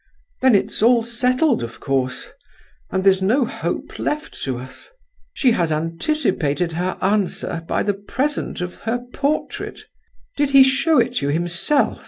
"Then it's all settled, of course, and there's no hope left to us. She has anticipated her answer by the present of her portrait. Did he show it you himself?"